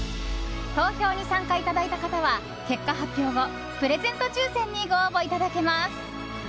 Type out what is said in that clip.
投票に参加いただいた方は結果発表後、プレゼント抽選にご応募いただけます。